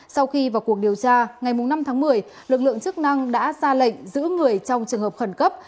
sau khi vào cuộc điều tra ngày năm tháng một mươi lực lượng chức năng đã ra lệnh giữ người trong trường hợp khẩn cấp